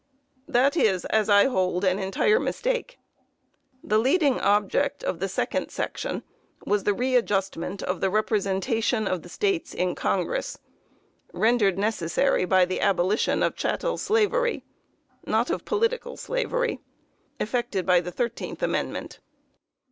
That is, as I hold, an entire mistake. The leading object of the second section was the readjustment of the representation of the States in Congress, rendered necessary by the abolition of chattel slavery [not of political slavery], effected by the thirteenth amendment.